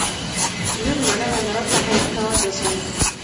زړه د بدن عضلاتو ته حیاتي مواد رسوي.